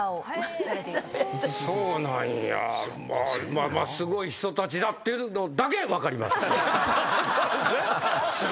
まあまあすごい人たちだっていうのだけ分かります。